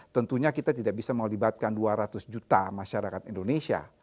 tentunya kita tidak bisa melibatkan dua ratus juta masyarakat indonesia